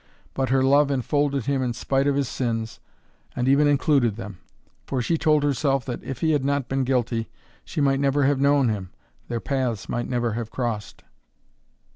But her love enfolded him in spite of his sins, and even included them. For she told herself that if he had not been guilty she might never have known him, their paths might never have crossed.